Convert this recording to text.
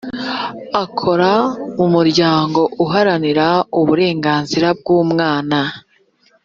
akora mumuryango uharanira uburenganzira bwumwana .